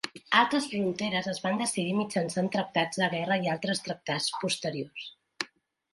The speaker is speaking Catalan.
Altres fronteres es van decidir mitjançant tractats de guerra i altres tractats posteriors.